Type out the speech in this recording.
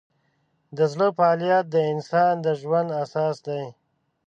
د زړه فعالیت د انسان د ژوند اساس دی.